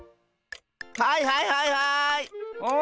はいはいはいはい！